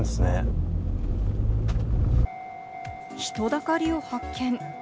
人だかりを発見。